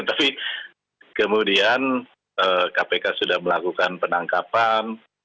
tapi kemudian kpk sudah melakukan penangkapan